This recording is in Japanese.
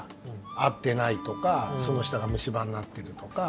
合ってないとかその下が虫歯になってるとか。